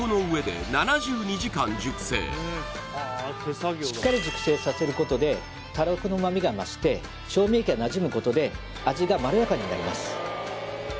上でしっかり熟成させることでたらこの旨味が増して調味液がなじむことで味がまろやかになります